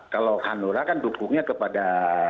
kalau hanura kan dukungnya kepada